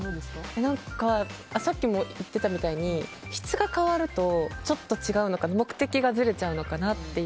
さっきも言ってたみたいに質が変わるとちょっと目的がずれちゃうのかなって。